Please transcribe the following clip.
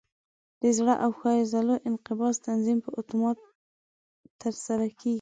د زړه او ښویو عضلو انقباض تنظیم په اتومات ترسره کېږي.